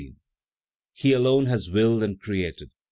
"He alone has willed and created.